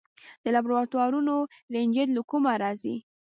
د لابراتوارونو ریجنټ له کومه راځي؟